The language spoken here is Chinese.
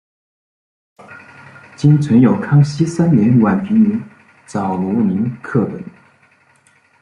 今存有康熙三年宛平于藻庐陵刻本。